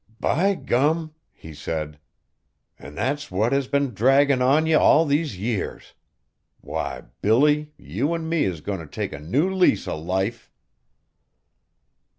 "By gum!" he said. "An' that's what has been draggin' on ye all these years! Why, Billy, you an' me is goin' t' take a new lease o' life!"